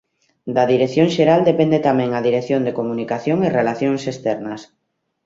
Da Dirección Xeral depende tamén a Dirección de Comunicación e Relacións Externas.